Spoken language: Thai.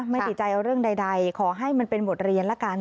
ติดใจเอาเรื่องใดขอให้มันเป็นบทเรียนละกัน